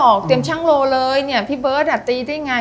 อ่อต้องเตรียมชั่งโล้เลยพี่เบิ้ลอัดตีได้ไง